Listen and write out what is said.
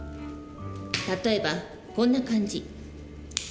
例えばこんな感じ。